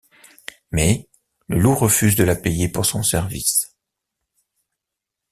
Mais, le loup refuse de la payer pour son service.